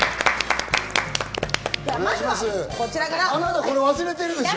あなた、これ忘れてるでしょ。